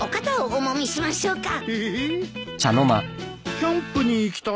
キャンプに行きたい？